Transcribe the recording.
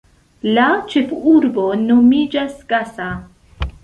La ĉefurbo nomiĝas Gasa.